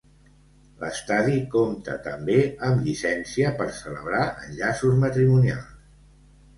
L'estadi compta també amb llicència per celebrar enllaços matrimonials.